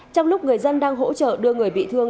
trong lúc người dân đang hỗ trợ đưa người bị thương